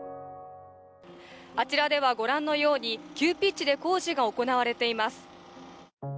あちらではご覧のように急ピッチで工事が行われています。